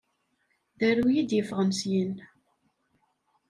D aruy i d-yeffɣen syin.